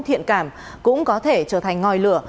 thiện cảm cũng có thể trở thành ngòi lửa